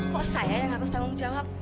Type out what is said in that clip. kok saya yang harus tanggung jawab